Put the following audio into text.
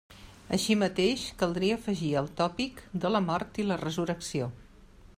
Així mateix, caldria afegir el tòpic de la mort i la resurrecció.